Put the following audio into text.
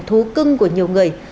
thú cưng của nhiều người